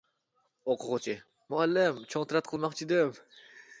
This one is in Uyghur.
ئوقۇغۇچى : مۇئەللىم، چوڭ تەرەت قىلماقچىدىم.